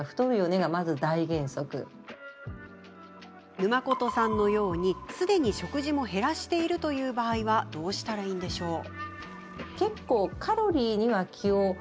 ぬまことさんのようにすでに食事も減らしているという場合はどうしたらいいんでしょうか？